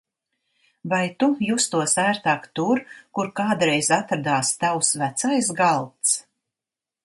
Vai tu justos ērtāk tur, kur kādreiz atradās tavs vecais galds?